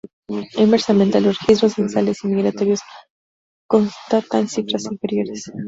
Inversamente, los registros censales y migratorios constatan cifras inferiores.